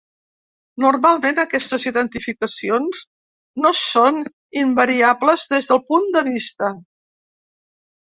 Normalment aquestes identificacions no són invariables des del punt de vista.